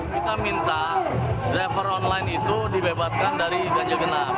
kita minta driver online itu dibebaskan dari ganjil genap